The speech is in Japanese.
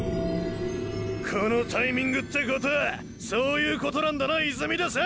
このタイミングってことはそういうことなんだな泉田さん！！